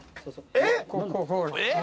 えっ！？